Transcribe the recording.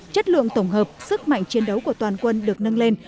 chất lượng tổng hợp sức mạnh chiến đấu của toàn quân được nâng lên